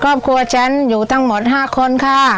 ครอบครัวฉันอยู่ทั้งหมด๕คนค่ะ